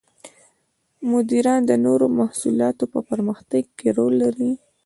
مدیران د نوو محصولاتو په پرمختګ کې رول لري.